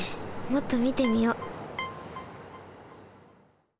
もっとみてみよう。